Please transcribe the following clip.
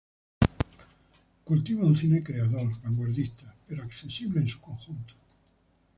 Cultiva un cine creador, vanguardista, pero accesible en su conjunto.